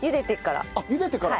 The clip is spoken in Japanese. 茹でてから。